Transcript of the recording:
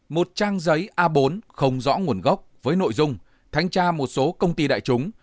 một trang giấy a bốn không rõ nguồn gốc với nội dung thanh tra một số công ty đại chúng